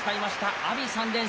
阿炎、３連勝。